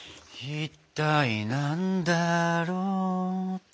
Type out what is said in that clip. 一体何だろうと。